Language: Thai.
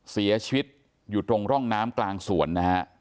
เสียชีวิตอยู่ตรงร่องน้ำกลางสวนนะฮะ